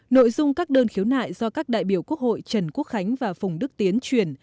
nội dung các đơn khiếu nại do các đại biểu quốc hội trần quốc khánh và phùng đức tiến truyền